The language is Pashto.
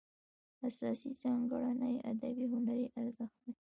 اساسي ځانګړنه یې ادبي هنري ارزښت دی.